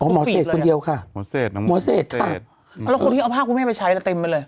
หมอเศษคนเดียวค่ะหมอเศษค่ะแล้วคนที่เอาภาพคุณแม่ไปใช้แล้วเต็มไปเลย